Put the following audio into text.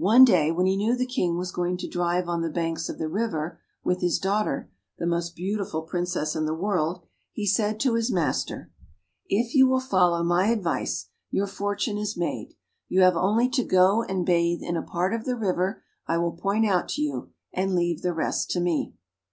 One day when he knew the King was going to drive on the banks of the river, with his daughter, the most beautiful Princess in the world, he said to his master, "If you will follow my advice, your fortune is made; you have only to go and bathe in a part of the river I will point out to you, and leave the rest to me."